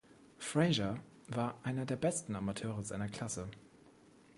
Frazier war einer der besten Amateure seiner Klasse.